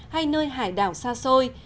hay nơi hải đảo xa xôi